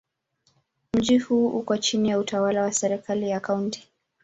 Mji huu uko chini ya utawala wa serikali ya Kaunti.